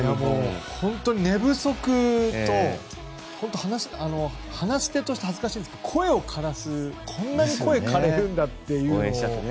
本当に寝不足と話し手として恥ずかしいですけどこんなに声がかれるんだというのを。